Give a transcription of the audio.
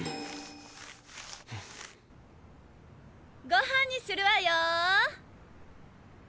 ごはんにするわよ。